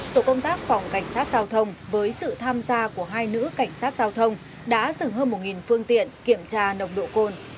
tổ công tác phòng cảnh sát giao thông với sự tham gia của hai nữ cảnh sát giao thông đã dừng hơn một phương tiện kiểm tra nồng độ cồn